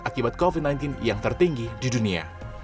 akibat covid sembilan belas yang tertinggi di dunia